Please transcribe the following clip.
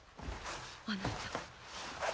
あなた。